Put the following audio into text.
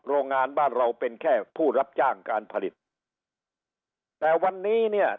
โรงงานบ้านเราเป็นแค่ผู้รับจ้างการผลิตแต่วันนี้เนี่ย